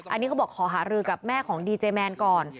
อันนี้เขาบอกขอหารือกับแม่ของดีเจแมนก่อน